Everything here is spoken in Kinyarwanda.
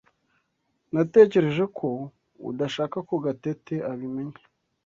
Natekereje ko udashaka ko Gatete abimenya.